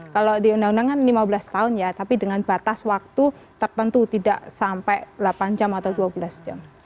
kalau di undang undang kan lima belas tahun ya tapi dengan batas waktu tertentu tidak sampai delapan jam atau dua belas jam